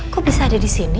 kok bisa ada disini